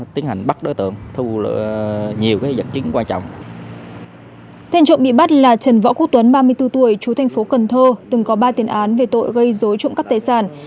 tên trộm bị bắt là trần võ quốc tuấn ba mươi bốn tuổi chú thành phố cần thơ từng có ba tiền án về tội gây dối trộm cắp tài sản